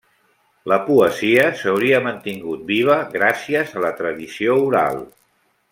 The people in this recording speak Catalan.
La poesia s'hauria mantingut viva gràcies a la tradició oral.